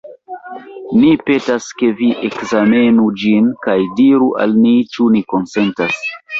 Ni petas, ke vi ekzamenu ĝin kaj diru al ni, ĉu ni konsentas.